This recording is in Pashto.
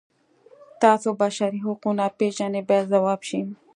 تاسو بشري حقونه پیژنئ باید ځواب شي.